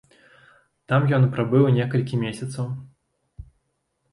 Там ён прабыў некалькі месяцаў.